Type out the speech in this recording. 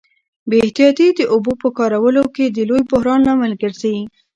بې احتیاطي د اوبو په کارولو کي د لوی بحران لامل ګرځي.